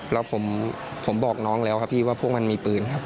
แล้วผมบอกน้องแล้วครับพี่ว่าพวกมันมีปืนครับ